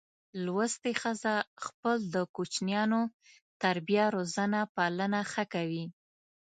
لوستي ښځه خپل د کوچینیانو تربیه روزنه پالنه ښه کوي.